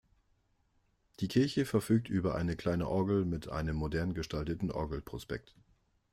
Die Kirche verfügt über eine kleine Orgel mit einem modern gestalteten Orgelprospekt.